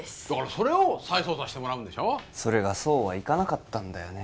それを再捜査してもらうんでしょそれがそうはいかなかったんだよね